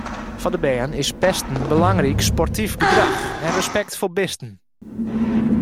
Foar de bern is pesten belangryk, sportyf gedrach en respekt foar bisten.